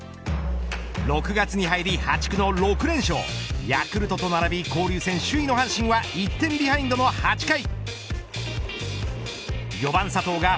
６月に入り破竹の６連勝ヤクルトと並び交流戦首位の阪神は１点ビハインドの４回。